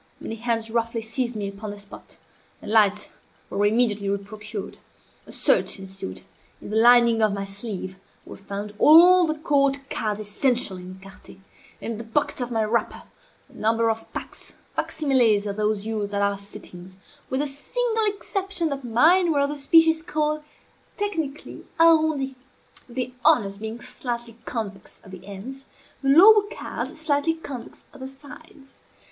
Many hands roughly seized me upon the spot, and lights were immediately re procured. A search ensued. In the lining of my sleeve were found all the court cards essential in écarté, and, in the pockets of my wrapper, a number of packs, facsimiles of those used at our sittings, with the single exception that mine were of the species called, technically, arrondis; the honors being slightly convex at the ends, the lower cards slightly convex at the sides.